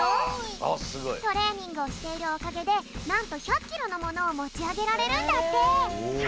トレーニングをしているおかげでなんと１００キロのものをもちあげられるんだって。